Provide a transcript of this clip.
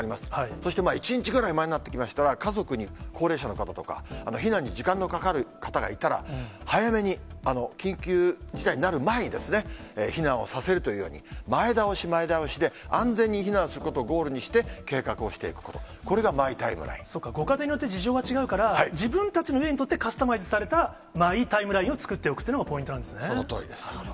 そしてまあ、１日ぐらい前になってきましたら、家族に高齢者の方とか、避難に時間のかかる方がいたら、早めに、緊急事態になる前にですね、避難をさせるというふうに、前倒し、前倒しで、安全に避難することをゴールにして、計画をしていくこと、そうか、ご家庭によって事情が違うから、自分たちの家にとって、カスタマイズされたマイ・タイムラインを作っておくというのがポそのとおりです。